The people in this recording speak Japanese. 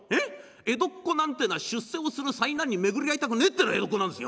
江戸っ子なんてのは出世をする災難に巡り合いたくねえってのが江戸っ子なんですよ。